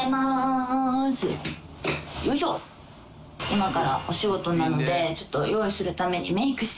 今からお仕事なのでちょっと用意するために。